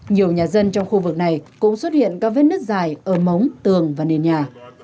nhiều nhà dân trong khu vực này cũng xuất hiện các vết nứt dài ở mống tường và nền nhà